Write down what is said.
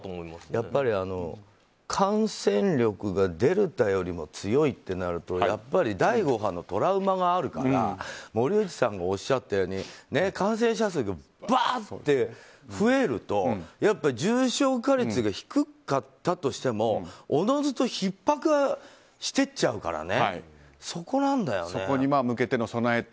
やっぱり感染力がデルタよりも強いとなると第５波のトラウマがあるから森内さんがおっしゃるように感染者数がぶわっと増えると増えると重症化率が低かったとしてもおのずとひっ迫していっちゃうからね。